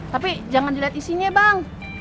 tapi jangan dilihat isinya bang